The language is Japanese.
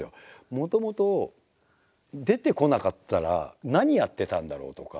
もともと出てこなかったら何やってたんだろう？とか。